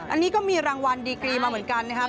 อันนี้ก็มีรางวัลดีกรีมาเหมือนกันนะครับ